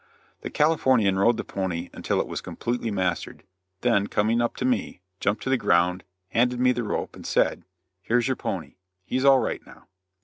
The Californian rode the pony until it was completely mastered, then coming up to me, jumped to the ground, handed me the rope, and said: "Here's your pony. He's all right now."